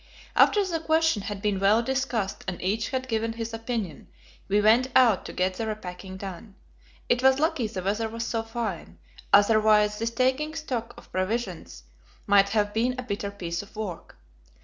After the question had been well discussed and each had given his opinion, we went out to get the repacking done. It was lucky the weather was so fine, otherwise this taking stock of provisions might have been a bitter piece of work.